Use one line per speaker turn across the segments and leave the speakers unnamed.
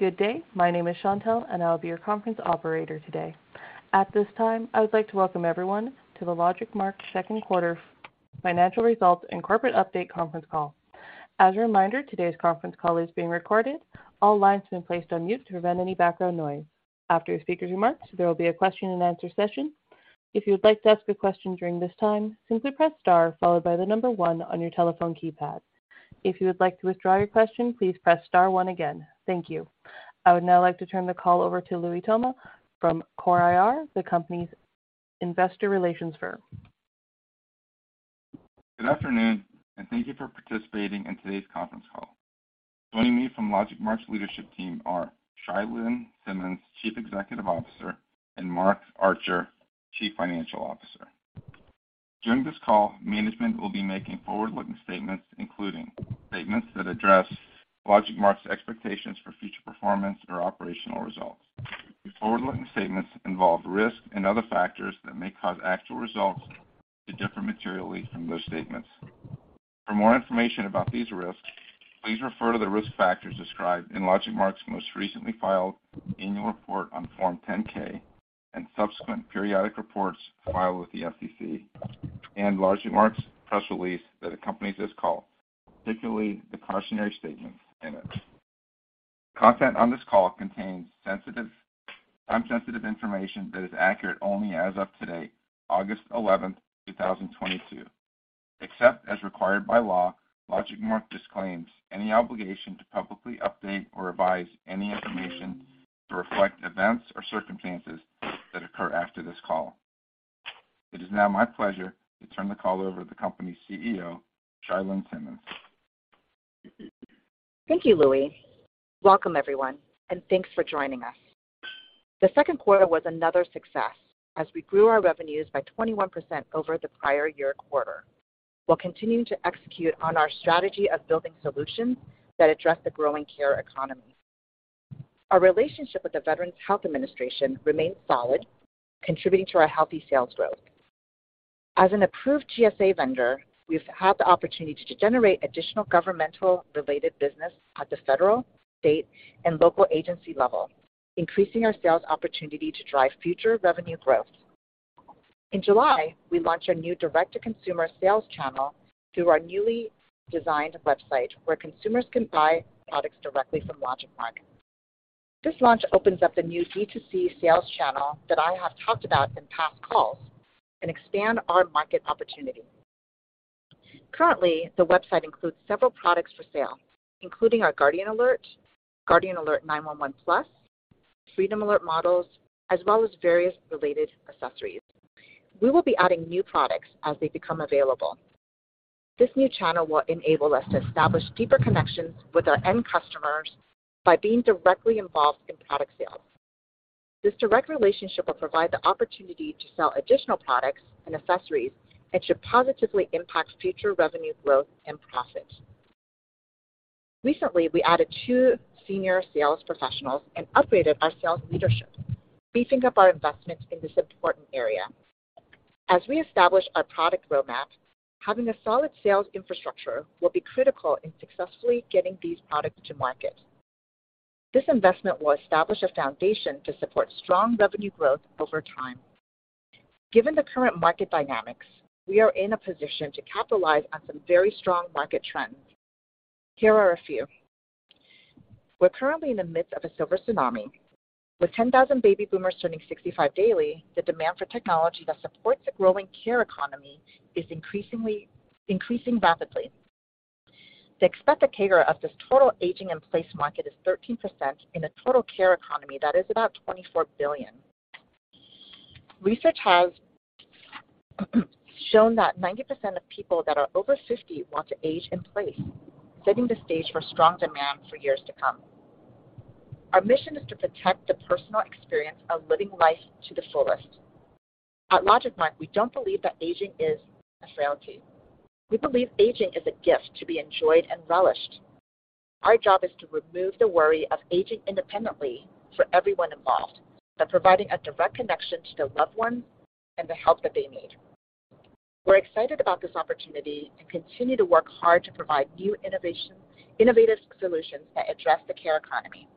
Good day. My name is Chantelle, and I'll be your conference operator today. At this time, I would like to welcome everyone to the LogicMark second quarter financial results and corporate update conference call. As a reminder, today's conference call is being recorded. All lines have been placed on mute to prevent any background noise. After the speaker's remarks, there will be a question-and-answer session. If you would like to ask a question during this time, simply press star followed by the number 1 on your telephone keypad. If you would like to withdraw your question, please press star 1 again. Thank you. I would now like to turn the call over to Louie Toma from Core IR, the company's investor relations firm.
Good afternoon, and thank you for participating in today's conference call. Joining me from LogicMark's leadership team are Chia-Lin Simmons, Chief Executive Officer, and Mark Archer, Chief Financial Officer. During this call, management will be making forward-looking statements, including statements that address LogicMark's expectations for future performance or operational results. These forward-looking statements involve risks and other factors that may cause actual results to differ materially from those statements. For more information about these risks, please refer to the risk factors described in LogicMark's most recently filed annual report on Form 10-K and subsequent periodic reports filed with the SEC and LogicMark's press release that accompanies this call, particularly the cautionary statements in it. The content on this call contains sensitive information that is accurate only as of today, August eleventh, two thousand twenty-two. Except as required by law, LogicMark disclaims any obligation to publicly update or revise any information to reflect events or circumstances that occur after this call. It is now my pleasure to turn the call over to the company's CEO, Chia-Lin Simmons.
Thank you, Louie. Welcome, everyone, and thanks for joining us. The second quarter was another success as we grew our revenues by 21% over the prior year quarter, while continuing to execute on our strategy of building solutions that address the growing care economy. Our relationship with the Veterans Health Administration remains solid, contributing to our healthy sales growth. As an approved GSA vendor, we've had the opportunity to generate additional governmental related business at the federal, state, and local agency level, increasing our sales opportunity to drive future revenue growth. In July, we launched our new direct-to-consumer sales channel through our newly designed website where consumers can buy products directly from LogicMark. This launch opens up the new D2C sales channel that I have talked about in past calls and expand our market opportunity. Currently, the website includes several products for sale, including our Guardian Alert, Guardian Alert 911 Plus, Freedom Alert models, as well as various related accessories. We will be adding new products as they become available. This new channel will enable us to establish deeper connections with our end customers by being directly involved in product sales. This direct relationship will provide the opportunity to sell additional products and accessories and should positively impact future revenue growth and profits. Recently, we added two senior sales professionals and upgraded our sales leadership, beefing up our investments in this important area. As we establish our product roadmap, having a solid sales infrastructure will be critical in successfully getting these products to market. This investment will establish a foundation to support strong revenue growth over time. Given the current market dynamics, we are in a position to capitalize on some very strong market trends. Here are a few. We're currently in the midst of a silver tsunami. With 10,000 baby boomers turning 65 daily, the demand for technology that supports a growing care economy is increasing rapidly. The expected CAGR of this total aging in place market is 13% in a total care economy that is about $24 billion. Research has shown that 90% of people that are over 50% want to age in place, setting the stage for strong demand for years to come. Our mission is to protect the personal experience of living life to the fullest. At LogicMark, we don't believe that aging is a frailty. We believe aging is a gift to be enjoyed and relished. Our job is to remove the worry of aging independently for everyone involved by providing a direct connection to their loved ones and the help that they need. We're excited about this opportunity and continue to work hard to provide innovative solutions that address the care economy.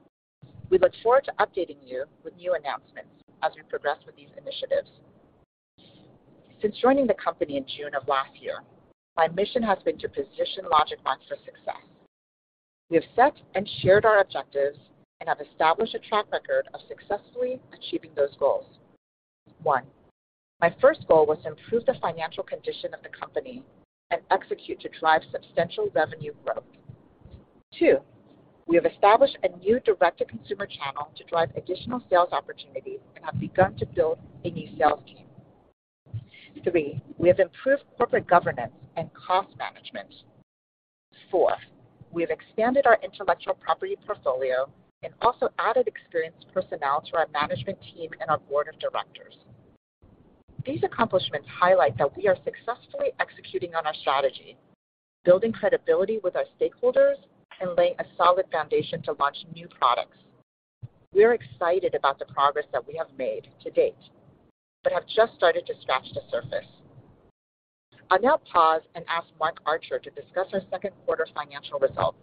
We look forward to updating you with new announcements as we progress with these initiatives. Since joining the company in June of last year, my mission has been to position LogicMark for success. We have set and shared our objectives and have established a track record of successfully achieving those goals. One, my first goal was to improve the financial condition of the company and execute to drive substantial revenue growth. Two, we have established a new direct-to-consumer channel to drive additional sales opportunities and have begun to build a new sales team. Three, we have improved corporate governance and cost management. Four, we have expanded our intellectual property portfolio and also added experienced personnel to our management team and our board of directors. These accomplishments highlight that we are successfully executing on our strategy, building credibility with our stakeholders, and laying a solid foundation to launch new products. We are excited about the progress that we have made to date, but have just started to scratch the surface. I'll now pause and ask Mark Archer to discuss our second quarter financial results,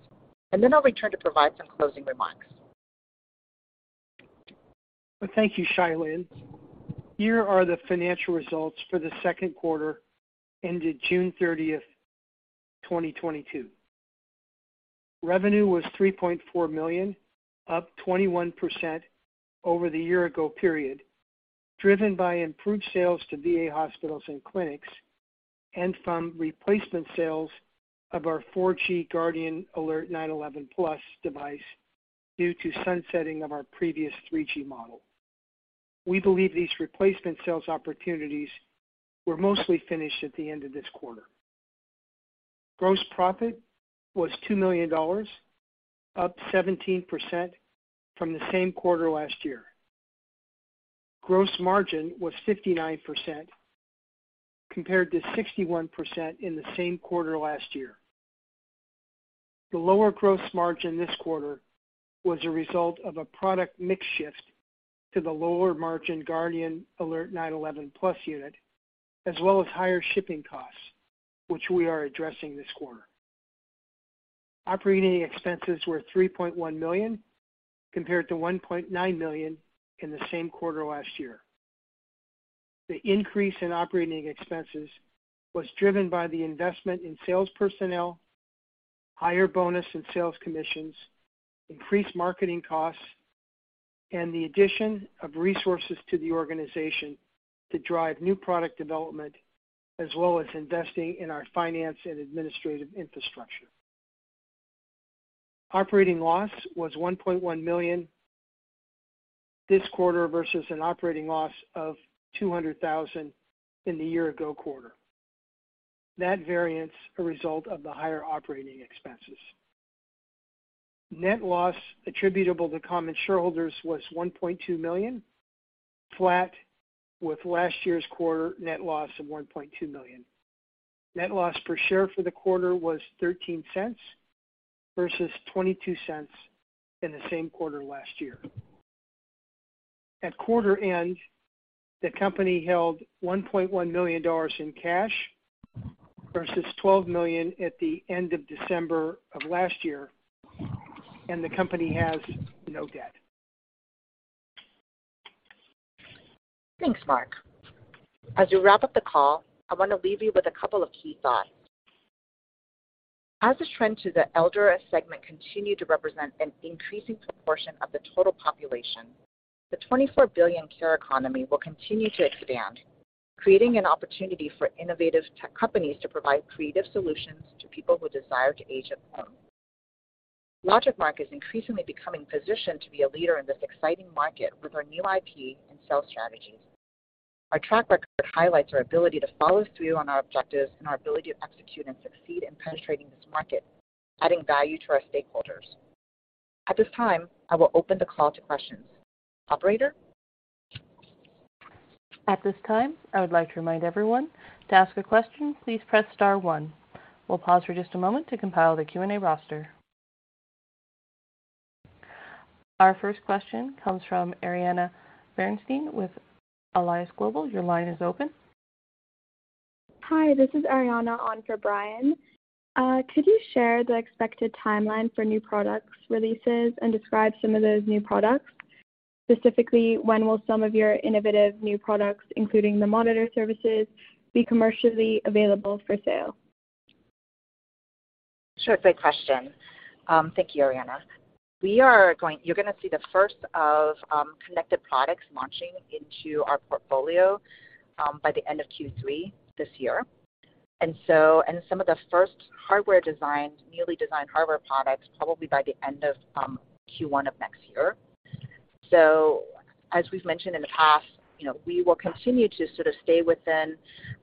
and then I'll return to provide some closing remarks.
Thank you, Chia-Lin. Here are the financial results for the second quarter ended June 30th, 2022. Revenue was $3.4 million, up 21% over the year ago period, driven by improved sales to VA hospitals and clinics and from replacement sales of our 4G Guardian Alert 911 Plus device due to sunsetting of our previous 3G model. We believe these replacement sales opportunities were mostly finished at the end of this quarter. Gross profit was $2 million, up 17% from the same quarter last year. Gross margin was 59% compared to 61% in the same quarter last year. The lower gross margin this quarter was a result of a product mix shift to the lower margin Guardian Alert 911 Plus unit, as well as higher shipping costs, which we are addressing this quarter. Operating expenses were $3.1 million compared to $1.9 million in the same quarter last year. The increase in operating expenses was driven by the investment in sales personnel, higher bonus and sales commissions, increased marketing costs, and the addition of resources to the organization to drive new product development as well as investing in our finance and administrative infrastructure. Operating loss was $1.1 million this quarter versus an operating loss of $200 thousand in the year ago quarter. That variance a result of the higher operating expenses. Net loss attributable to common shareholders was $1.2 million, flat with last year's quarter net loss of $1.2 million. Net loss per share for the quarter was $0.13 versus $0.22 in the same quarter last year. At quarter end, the company held $1.1 million in cash versus $12 million at the end of December of last year, and the company has no debt.
Thanks, Mark. As we wrap up the call, I want to leave you with a couple of key thoughts. As the trend to the elder segment continue to represent an increasing proportion of the total population, the $24 billion care economy will continue to expand, creating an opportunity for innovative tech companies to provide creative solutions to people who desire to age at home. LogicMark is increasingly becoming positioned to be a leader in this exciting market with our new IP and sales strategies. Our track record highlights our ability to follow through on our objectives and our ability to execute and succeed in penetrating this market, adding value to our stakeholders. At this time, I will open the call to questions. Operator?
At this time, I would like to remind everyone to ask a question, please press star one. We'll pause for just a moment to compile the Q&A roster. Our first question comes from Arianna Bernstein with Alliance Global. Your line is open.
Hi, this is Arianna on for Brian. Could you share the expected timeline for new products releases and describe some of those new products? Specifically, when will some of your innovative new products, including the monitor services, be commercially available for sale?
Sure. Great question. Thank you, Arianna. You're gonna see the first of, connected products launching into our portfolio, by the end of Q3 this year. and some of the first hardware designs, newly designed hardware products, probably by the end of, Q1 of next year. as we've mentioned in the past, you know, we will continue to sort of stay within,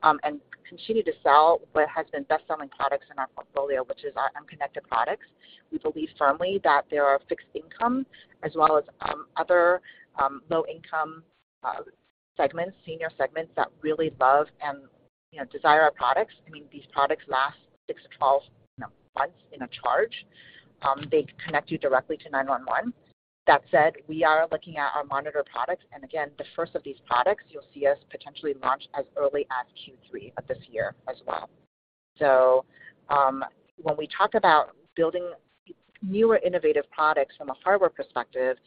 and continue to sell what has been best-selling products in our portfolio, which is our unconnected products. We believe firmly that there are fixed-income as well as, other, low-income, segments, senior segments that really love and, you know, desire our products. I mean, these products last six-12, you know, months on a charge. they connect you directly to 911. That said, we are looking at our monitor products. Again, the first of these products you'll see us potentially launch as early as Q3 of this year as well. When we talk about building newer innovative products from a hardware perspective,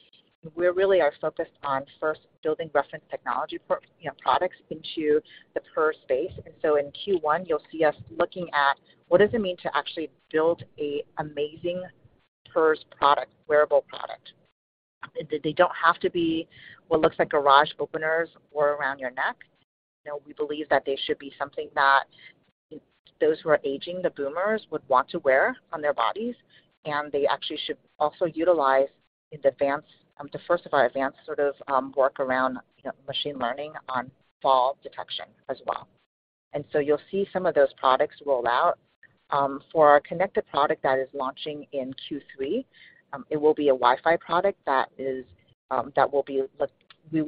we really are focused on first building reference technology, you know, products into the PERS space. In Q1, you'll see us looking at what does it mean to actually build an amazing PERS product, wearable product. They don't have to be what looks like garage openers worn around your neck. You know, we believe that they should be something that those who are aging, the boomers, would want to wear on their bodies, and they actually should also utilize the first of our advanced sort of work around, you know, machine learning on fall detection as well. You'll see some of those products roll out. For our connected product that is launching in Q3, it will be a Wi-Fi product that we will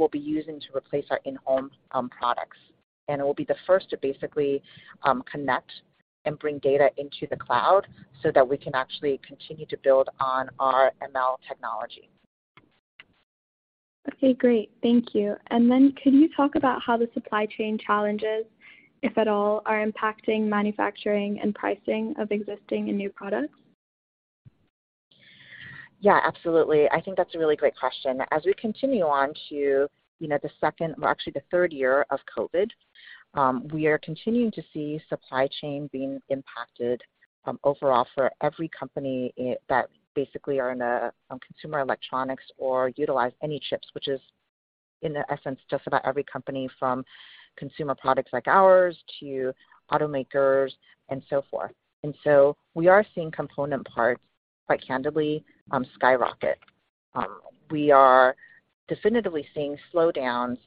be using to replace our in-home products. It will be the first to basically connect and bring data into the cloud so that we can actually continue to build on our ML technology.
Okay, great. Thank you. Could you talk about how the supply chain challenges, if at all, are impacting manufacturing and pricing of existing and new products?
Yeah, absolutely. I think that's a really great question. As we continue on to, you know, the second or actually the third year of COVID, we are continuing to see supply chain being impacted, overall for every company that basically are in a, consumer electronics or utilize any chips, which is in essence, just about every company from consumer products like ours to automakers and so forth. We are seeing component parts, quite candidly, skyrocket. We are definitively seeing slowdowns,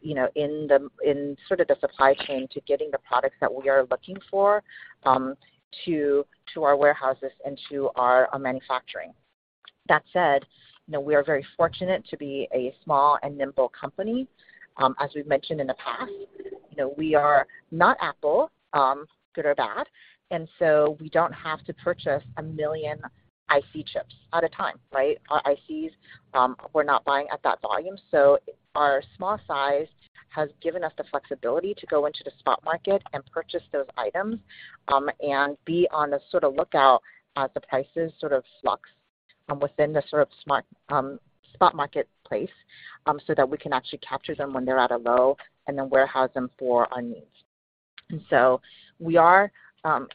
you know, in the, in sort of the supply chain to getting the products that we are looking for, to our warehouses and to our manufacturing. That said, you know, we are very fortunate to be a small and nimble company. As we've mentioned in the past, you know, we are not Apple, good or bad, and so we don't have to purchase a million IC chips at a time, right? Our ICs, we're not buying at that volume. Our small size has given us the flexibility to go into the spot market and purchase those items, and be on a sort of lookout as the prices sort of flux, within the sort of spot market place, so that we can actually capture them when they're at a low and then warehouse them for our needs.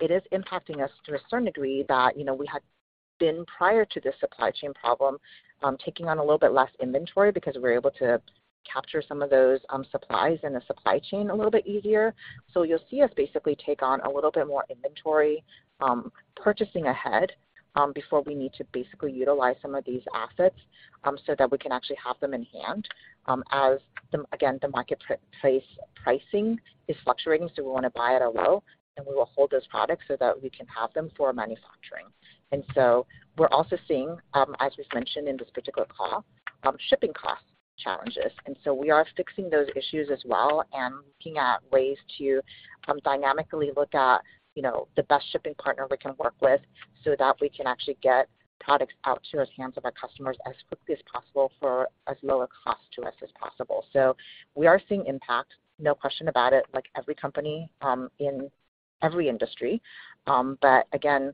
It is impacting us to a certain degree that you know we had been prior to this supply chain problem taking on a little bit less inventory because we're able to capture some of those supplies in the supply chain a little bit easier. You'll see us basically take on a little bit more inventory, purchasing ahead, before we need to basically utilize some of these assets, so that we can actually have them in-hand, as the, again, the market pricing is fluctuating, so we wanna buy at a low, and we will hold those products so that we can have them for manufacturing. We're also seeing, as we've mentioned in this particular call, shipping cost challenges. We are fixing those issues as well and looking at ways to dynamically look at, you know, the best shipping partner we can work with so that we can actually get products out to the hands of our customers as quickly as possible for as low a cost to us as possible. We are seeing impact, no question about it, like every company in every industry. Again,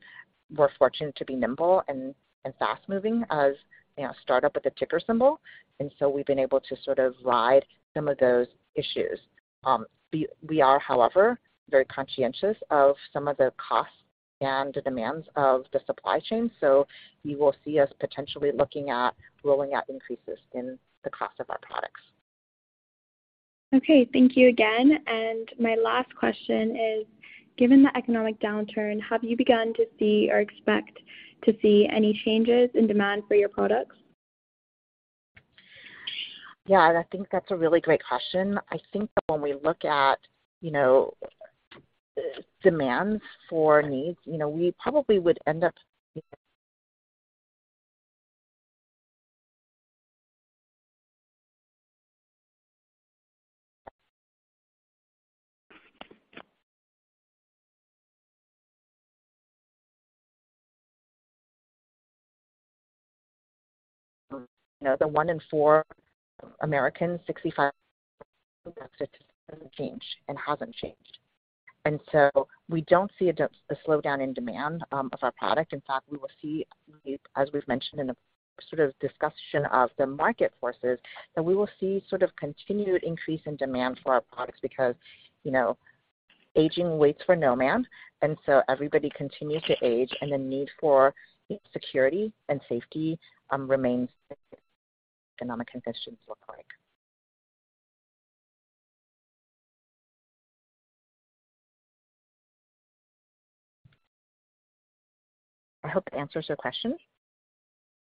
we're fortunate to be nimble and fast-moving as, you know, a startup with a ticker symbol, and we've been able to sort of ride some of those issues. We are, however, very conscientious of some of the costs and demands of the supply chain, so you will see us potentially looking at rolling out increases in the cost of our products.
Okay, thank you again. My last question is, given the economic downturn, have you begun to see or expect to see any changes in demand for your products?
Yeah, I think that's a really great question. I think that when we look at, you know, demands for needs, you know, we probably would end up, you know, you know, the one in four Americans 65 and older hasn't changed. We don't see a slowdown in demand of our product. In fact, we will see, as we've mentioned in the sort of discussion of the market forces, that we will see sort of continued increase in demand for our products because, you know, aging waits for no man, and so everybody continues to age, and the need for security and safety remains no matter what economic conditions look like. I hope that answers your question.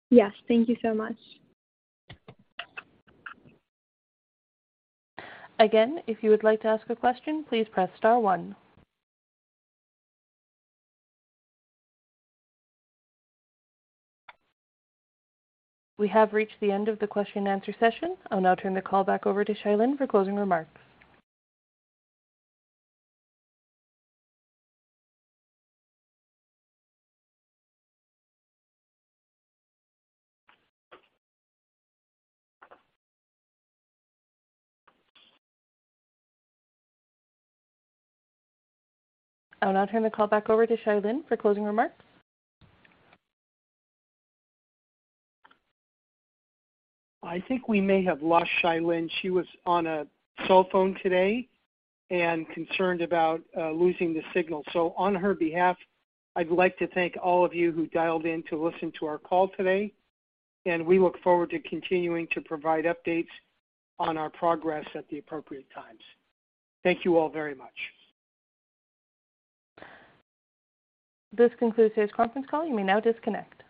Yes. Thank you so much.
Again, if you would like to ask a question, please press star one. We have reached the end of the question and answer session. I'll now turn the call back over to Chia-Lin for closing remarks.
I think we may have lost Chia-Lin Simmons. She was on a cell phone today and concerned about losing the signal. On her behalf, I'd like to thank all of you who dialed in to listen to our call today, and we look forward to continuing to provide updates on our progress at the appropriate times. Thank you all very much.
This concludes today's conference call. You may now disconnect.